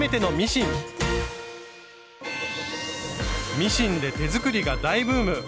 ミシンで手作りが大ブーム。